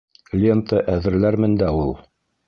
Лента әҙерләрмен дә ул...